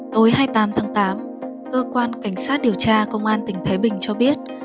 tối hai mươi tám tháng tám cơ quan cảnh sát điều tra công an tỉnh thái bình cho biết